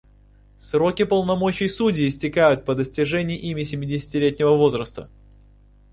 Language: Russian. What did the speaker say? Сроки полномочий судей истекают по достижении ими семидесятилетнего возраста.